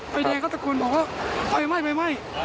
ไปแดงเขาตะกูลบอกว่าไฟไหม้